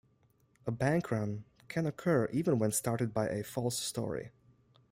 A bank run can occur even when started by a false story.